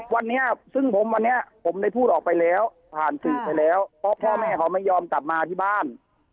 วันนี้ซึ่งผมวันนี้ผมได้พูดออกไปแล้วผ่านสื่อไปแล้วเพราะพ่อแม่เขาไม่ยอมกลับมาที่บ้าน